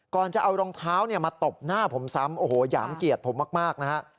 ก่อนจะเอารองเท้าเนี่ยมาตบหน้าผมซ้ำโอ้โหหยามเกียรติผมมากนะฮะ